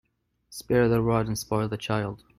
Spare the rod and spoil the child.